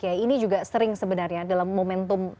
kiai ini juga sering sebenarnya dalam momentum